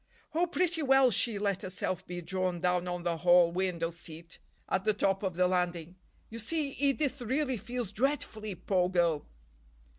"Oh, pretty well." She let herself be drawn down on the hall window seat at the top of the landing. "You see, Edith really feels dreadfully, poor girl."